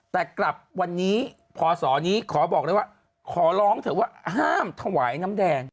แต่กลับวันนี้พศนี้ขอบอกเลยว่าขอร้องเถอะว่าห้ามถวายน้ำแดง